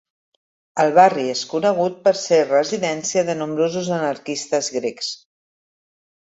El barri és conegut per ser residència de nombrosos anarquistes grecs.